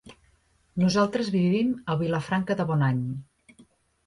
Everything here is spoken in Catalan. Nosaltres vivim a Vilafranca de Bonany.